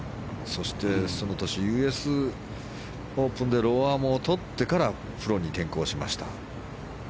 そして、その年ＵＳオープンでローアマをとってからプロに転向しました。